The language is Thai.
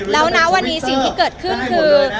แล้วนะวันนี้สิ่งที่เกิดขึ้นคือ